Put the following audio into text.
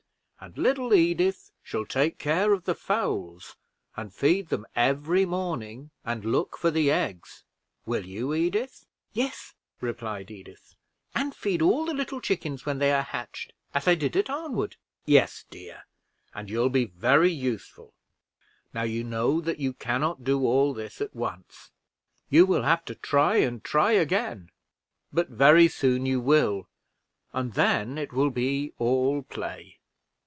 And little Edith shall take care of the fowls, and feed them every morning, and look for the eggs will you, Edith?" "Yes," replied Edith, "and feed all the little chickens when they are hatched, as I did at Arnwood." "Yes, dear, and you'll be very useful. Now you know that you can not do all this at once. You will have to try and try again; but very soon you will, and then it will be all play.